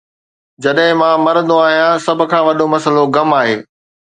جڏهن مان مرندو آهيان، سڀ کان وڏو مسئلو غم آهي